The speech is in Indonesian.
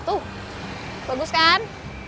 tuh bagus kan